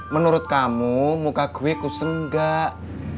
menurut kamu muka gue kusu enggak